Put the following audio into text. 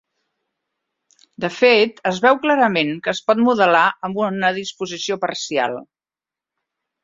De fet, es veu clarament que es pot modelar amb una disposició parcial.